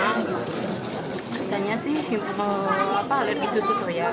katanya sih alergi susu soya